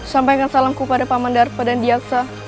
sampaikan salamku pada pak mendarpa dan diaksa